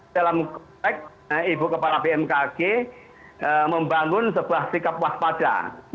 dalam konteks ibu kepala bmkg membangun sebuah sikap waspada